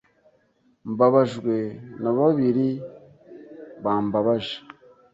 Mbabajwe nababiri bambabaje